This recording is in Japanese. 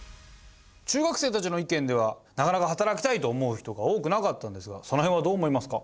中学生たちの意見ではなかなか働きたいと思う人が多くなかったんですがその辺はどう思いますか？